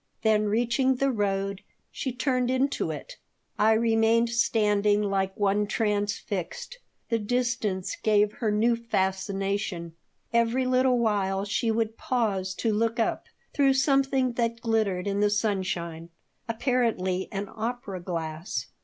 Then, reaching the road, she turned into it. I remained standing like one transfixed. The distance gave her new fascination. Every little while she would pause to look up through something that glittered in the sunshine, apparently an opera glass.